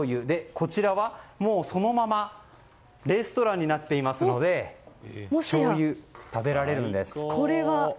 こちらは、そのままレストランになっていますのでしょうゆ、食べられるんです。